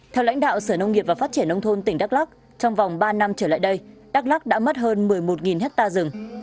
theo lãnh đạo sở nông nghiệp và phát triển nông thôn tỉnh đắk lắc trong vòng ba năm trở lại đây đắk lắc đã mất hơn một mươi một hectare rừng